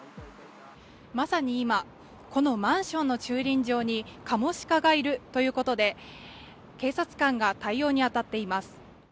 まさに今、このマンションの駐輪場に、カモシカがいるということで、警察官が対応に当たっています。